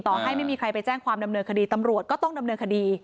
ให้ไม่มีใครไปแจ้งความดำเนินคดีตำรวจก็ต้องดำเนินคดี